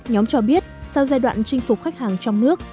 nhóm cho biết sau giai đoạn chinh phục khách hàng trong nước